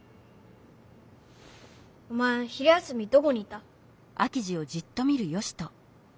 おまえ昼休みどこにいた？